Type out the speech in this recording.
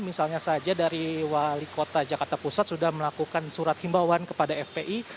misalnya saja dari wali kota jakarta pusat sudah melakukan surat himbauan kepada fpi